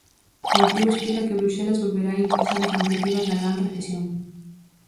O artigo explica que Bruxelas volverá a impulsar as iniciativas da gran recesión.